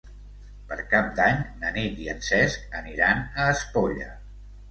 Per Cap d'Any na Nit i en Cesc aniran a Espolla.